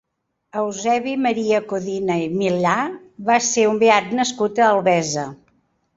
Eusebi Maria Codina i Millà va ser un beat nascut a Albesa.